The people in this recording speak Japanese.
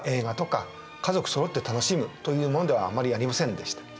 家族そろって楽しむというものではあまりありませんでした。